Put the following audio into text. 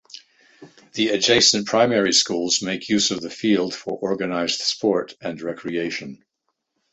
The adjacent primary schools make use of the field for organised sport and recreation.